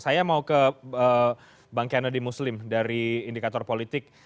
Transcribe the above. saya mau ke bang kennedy muslim dari indikator politik